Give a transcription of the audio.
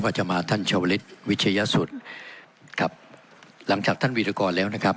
ก็จะมาท่านโชว์ฤทธิ์วิชยสุดครับหลังจากท่านวิทยากรแล้วนะครับ